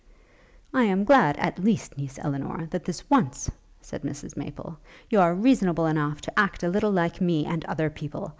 'I am glad, at least, niece Elinor, that this once,' said Mrs Maple, 'you are reasonable enough to act a little like me and other people.